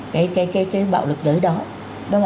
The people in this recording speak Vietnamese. cái bạo lực giới đó